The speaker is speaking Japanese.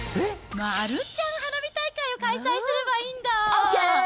丸ちゃん花火大会を開催すればいいんだ。